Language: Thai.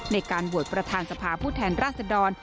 ในการโหวตประธานสภาผู้แทนราชดร